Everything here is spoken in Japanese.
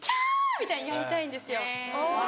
みたいにやりたいんですよ。